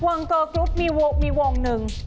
วงเกอร์กรุ๊ปมีวงหนึ่ง